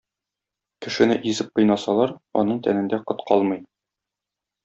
Кешене изеп кыйнасалар, аның тәнендә Кот калмый.